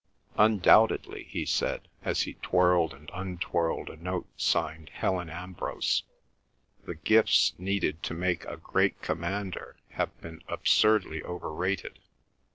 "Undoubtedly," he said, as he twirled and untwirled a note signed Helen Ambrose, "the gifts needed to make a great commander have been absurdly overrated.